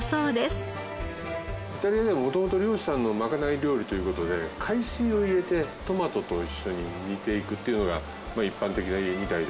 イタリアでは元々漁師さんの賄い料理という事で海水を入れてトマトと一緒に煮ていくっていうのが一般的みたいですね。